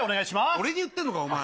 俺に言ってんのか、お前。